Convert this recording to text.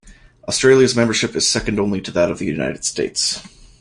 Australia's membership is second only to that of the United States.